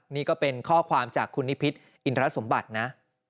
นี่ก็เป็นข้อความจากคุณนิพิษอินทรสมบัตินะ